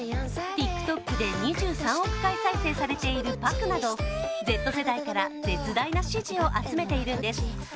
ＴｉｋＴｏｋで、２３億回再生されている「ＰＡＫＵ」など、Ｚ世代から絶大な支持を集めているんです。